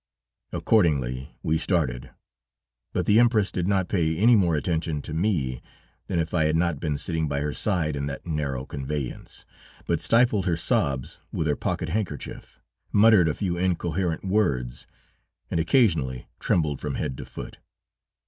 Accordingly, we started, but the Empress did not pay any more attention to me than if I had not been sitting by her side in that narrow conveyance, but stifled her sobs with her pocket handkerchief, muttered a few incoherent words, and occasionally trembled from head to foot.